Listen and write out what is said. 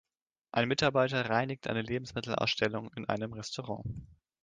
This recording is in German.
Ein Mitarbeiter reinigt eine Lebensmittelausstellung in einem Restaurant.